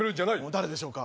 誰でしょうか。